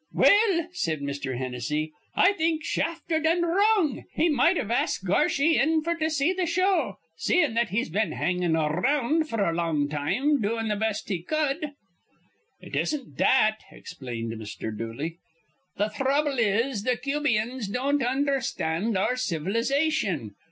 "Well," said Mr. Hennessy, "I think Shafter done wrong. He might've asked Garshy in f'r to see th' show, seein' that he's been hangin' ar round f'r a long time, doin' th' best he cud." "It isn't that," explained Mr. Dooley. "Th' throuble is th' Cubians don't undherstand our civilization.